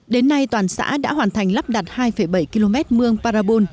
đến nay toàn xã đã hoàn thành lắp đặt hai bảy km mương parabon